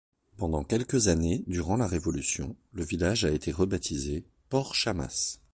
Pendant quelques années durant la Révolution, le village a été rebaptisé Port-Chamas.